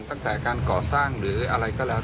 ตั้งแต่การก่อสร้างหรืออะไรก็แล้ว